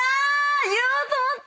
言おうと思った。